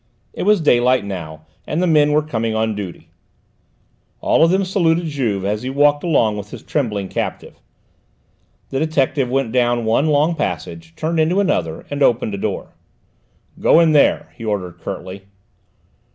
It was daylight now, and the men were coming on duty; all of them saluted Juve as he walked along with his trembling captive. The detective went down one long passage, turned into another, and opened a door. "Go in there," he ordered curtly.